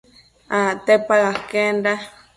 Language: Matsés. Acte paë aquenda